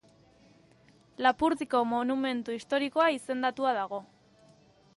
Lapurdiko monumentu historikoa izendatua dago.